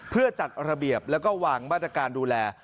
เพื่อจัดระเบียบแล้วก็วางมาตรการดูแล